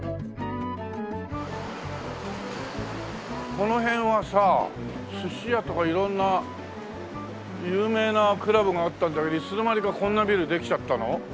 この辺はさ寿司屋とか色んな有名なクラブがあったんだけどいつの間にかこんなビルできちゃったの？